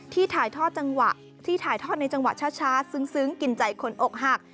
ที่ถ่ายทอดในจังหวะช้าซึ้งกินใจคนอกหัก